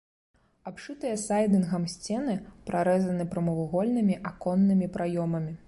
Абшытыя сайдынгам сцены прарэзаны прамавугольнымі аконнымі праёмамі.